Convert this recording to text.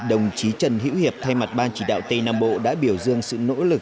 đồng chí trần hiễu hiệp thay mặt ban chỉ đạo tây nam bộ đã biểu dương sự nỗ lực